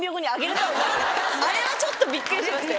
あれはちょっとビックリしましたよ。